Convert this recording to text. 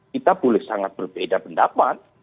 kita boleh sangat berbeda pendapat